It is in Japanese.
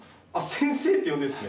先生って呼んでるんすね。